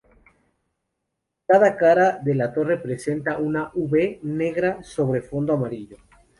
Cada cara de la torre presenta una "V" negra sobre fondo amarillo.